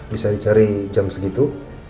bisa dicari jam segitu